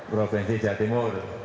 provinsi jawa timur